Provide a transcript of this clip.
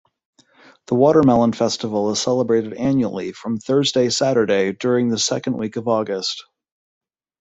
The Watermelon Festival is celebrated annually from Thursday-Saturday during the second week of August.